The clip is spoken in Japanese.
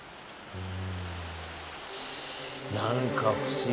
うん。